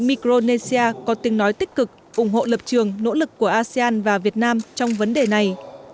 micronesia có tiếng nói tích cực ủng hộ lập trường nỗ lực của asean và việt nam trong vấn đề này